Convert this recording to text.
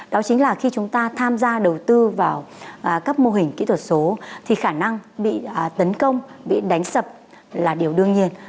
đó chính là khi chúng ta tham gia đầu tư vào các mô hình kỹ thuật số thì khả năng bị tấn công bị đánh sập là điều đương nhiên